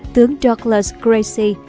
tướng douglas gracie